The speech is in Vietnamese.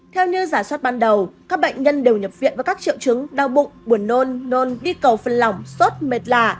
theo như giả soát ban đầu các bệnh nhân đều nhập viện với các triệu chứng đau bụng buồn nôn nôn đi cầu phân lỏng sốt mệt lạ